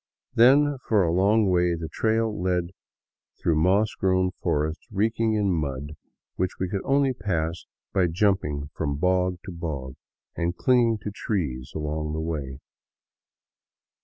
Then, for a long way, the trail led through a moss grown forest reekmg in mud, which we could only pass by jump ing from bog to bog and clinging to trees along the way.